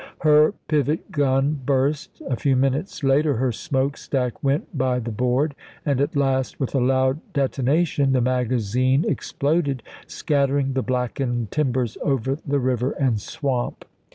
Her pivot gun burst; a few minutes later her smoke stack went by the board, and at last, with a loud detonation, the magazine exploded, scattering the blackened timbers over the river and swamp.